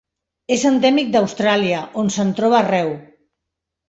És endèmic d'Austràlia, on se'n troba arreu.